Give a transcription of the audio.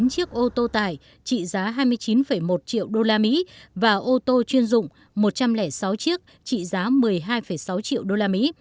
một bốn trăm bảy mươi chín chiếc ô tô tải trị giá hai mươi chín một triệu usd và ô tô chuyên dụng một trăm linh sáu chiếc trị giá một mươi hai sáu triệu usd